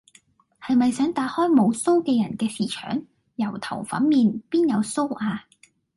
係咪想打開無鬚嘅人嘅巿場？油頭粉面，邊有鬚呀？